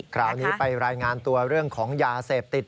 คราวนี้ไปรายงานตัวเรื่องของยาเสพติด